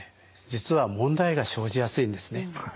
実は問題が生じやすいんですね。